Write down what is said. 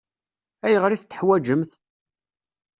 Ayɣer i t-teḥwaǧemt?